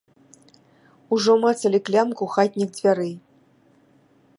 Ужо мацалі клямку хатніх дзвярэй.